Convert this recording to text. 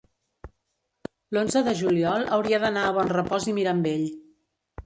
L'onze de juliol hauria d'anar a Bonrepòs i Mirambell.